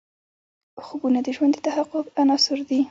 خوبونه د ژوند د تحقق عناصر دي.